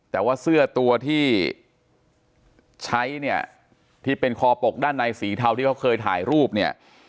แต่ว่าเสื้อตัวที่ใช้เนี่ยที่เป็นคอปกด้านในสีเทาที่เขาเคยถ่ายรูปเนี่ย